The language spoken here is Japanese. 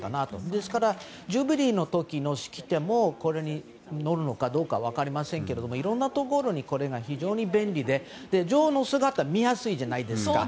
ですからジュビリーの時の式典もこれに乗るのかどうか分かりませんがいろんなところに非常に便利で女王の姿を見やすいじゃないですか。